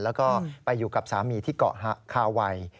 แล้วก็ไปอยู่กับสามีที่เกาะคาไว